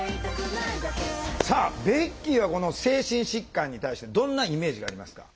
さあベッキーはこの精神疾患に対してどんなイメージがありますか？